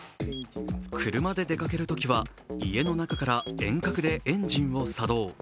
車で出かけるときは家の中から遠隔でエンジンを作動。